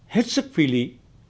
hết sức phi lý